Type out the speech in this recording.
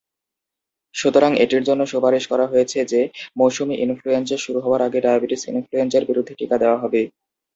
সুতরাং, এটির জন্য সুপারিশ করা হয়েছে যে মৌসুমী ইনফ্লুয়েঞ্জা শুরু হওয়ার আগে ডায়াবেটিস ইনফ্লুয়েঞ্জার বিরুদ্ধে টিকা দেওয়া হবে।